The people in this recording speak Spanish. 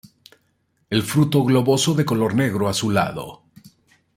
El fruto globoso, de color negro azulado.